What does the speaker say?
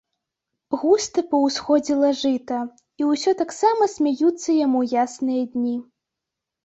Густа паўсходзіла жыта, і ўсё таксама смяюцца яму ясныя дні.